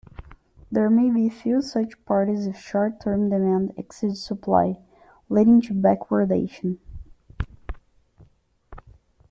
There may be few such parties if short-term demand exceeds supply, leading to backwardation.